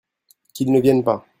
Qu'ils ne viennent pas